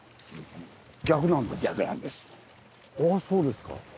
そうですか。